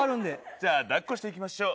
じゃあ抱っこしていきましょう。